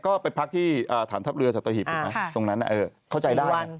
ก็ไปพักที่ฐานทัพเรือสัตหิบนะตรงนั้นเข้าใจได้